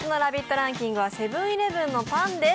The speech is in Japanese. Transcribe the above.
ランキングはセブン−イレブンのパンです。